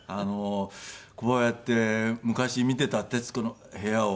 こうやって昔見ていた『徹子の部屋』を。